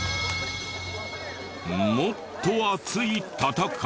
もっと熱い戦い！